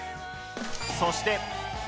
そして。